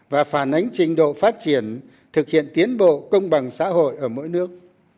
và phản ánh trình độ phát triển thực hiện tiến bộ công bằng xã hội ở mỗi nước